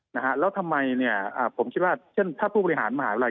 แล้วทำไมเนี่ยผมคิดว่าเช่นถ้าผู้บริหารมาอะไร